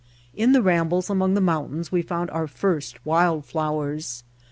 In the rambles among the mountains we found our first wild flowers.